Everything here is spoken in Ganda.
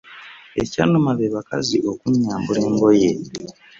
Ekyannuma be bakazi okunyambula engoye.